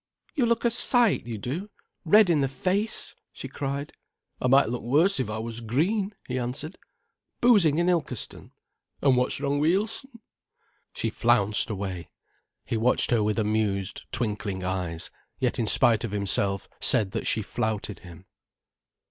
"You look a sight, you do, red in the face," she cried. "I might look worse if I was green," he answered. "Boozing in Ilkeston." "And what's wrong wi' Il'son?" She flounced away. He watched her with amused, twinkling eyes, yet in spite of himself said that she flouted him.